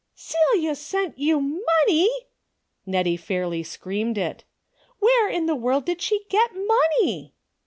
" Celia sent you money !" Kettie fairly screamed it. " Where in the world did she get money